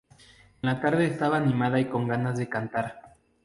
En la tarde estaba animada y con ganas de cantar.